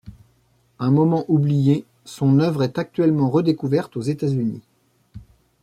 Un moment oubliée, son œuvre est actuellement redécouverte aux États-Unis.